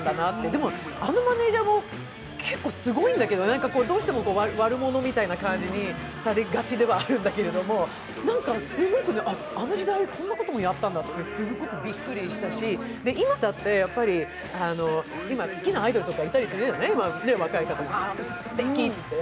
でも、あのマネージャーも結構すごいんだけどね、どうしても悪者みたいな感じにされがちなんだけれども何かすごく、あの時代、こんなこともやったんだってすっごくびっくりしたし今だって、やっぱり今好きなアイドルとかいたりするよね、若いアイドル、ああ、すてきって。